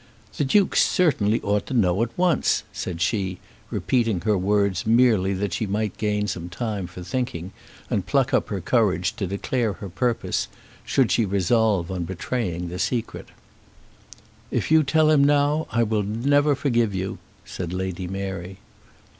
"The Duke certainly ought to know at once," said she, repeating her words merely that she might gain some time for thinking, and pluck up courage to declare her purpose, should she resolve on betraying the secret. "If you tell him now, I will never forgive you," said Lady Mary.